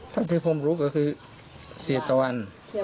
เท่าที่ผมรู้ก็คือเสียตะวัน